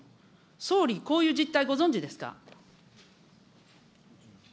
総理、こういう実態ご存じですか。